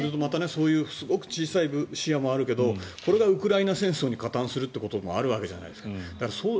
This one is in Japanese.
そういうすごく小さい視野もあるけどこれがウクライナ戦争に加担するということもあるわけじゃないですか。